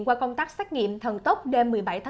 qua công tác xét nghiệm thần tốc đêm một mươi bảy một mươi